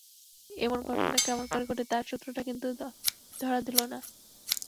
এমন ঘটনা কেমন করে ঘটে, তার সূত্রটা কিন্তু ধরা দিল না।